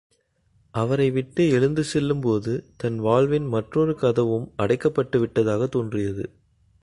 அவரை விட்டு எழுந்து செல்லும் போது, தன் வாழ்வின் மற்றொரு கதவும் அடைப்பட்டுவிட்டதாகத் தோன்றியது.